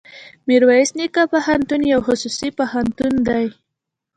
ميرويس نيکه پوهنتون يو خصوصي پوهنتون دی.